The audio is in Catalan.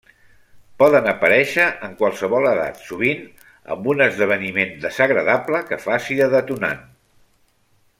Poden aparèixer en qualsevol edat, sovint amb un esdeveniment desagradable que faci de detonant.